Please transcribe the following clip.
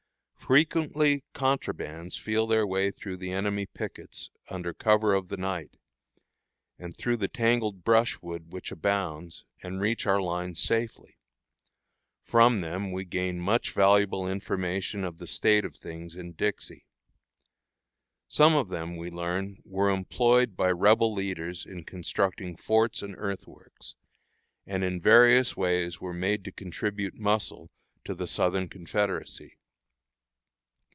Frequently "contrabands" feel their way through the enemy's pickets under cover of the night, and through the tangled brushwood which abounds, and reach our lines safely. From them we gain much valuable information of the state of things in "Dixie." Some of them, we learn, were employed by Rebel leaders in constructing forts and earthworks, and in various ways were made to contribute muscle to the Southern Confederacy.